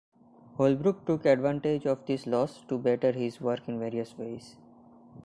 Holbrook took advantage of this loss to better his work in various ways.